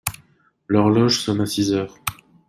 L'horloge sonna six heures.